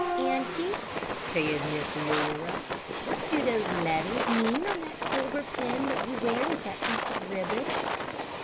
"Auntie," said Miss Laura, "What do those letters mean on that silver pin that you wear with that piece of ribbon?"